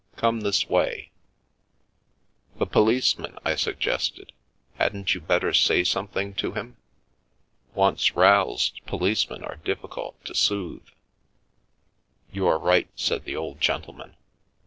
Come this way "" The policeman ?" I suggested. " Hadn't you better say something to him? Once roused, policemen are difficult to soothe." " You are right," said the old gentleman.